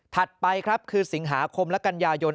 ไปครับคือสิงหาคมและกันยายน